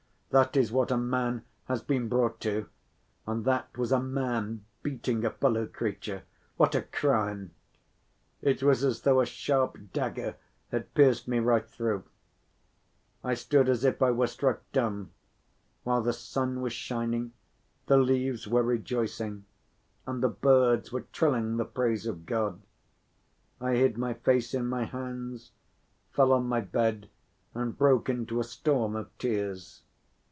That is what a man has been brought to, and that was a man beating a fellow creature! What a crime! It was as though a sharp dagger had pierced me right through. I stood as if I were struck dumb, while the sun was shining, the leaves were rejoicing and the birds were trilling the praise of God.... I hid my face in my hands, fell on my bed and broke into a storm of tears.